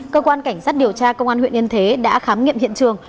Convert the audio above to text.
cơ quan cảnh sát điều tra công an huyện yên thế đã khám nghiệm hiện trường